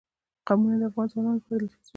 قومونه د افغان ځوانانو لپاره دلچسپي لري.